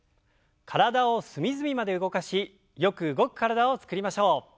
体を隅々まで動かしよく動く体を作りましょう。